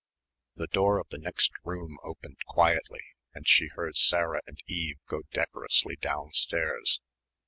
The door of the next room opened quietly and she heard Sarah and Eve go decorously downstairs.